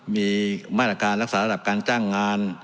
มีมาตรการรักษาระดับการจ้างงาน